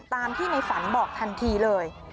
ตามที่ในฝันบอกทันทีเลย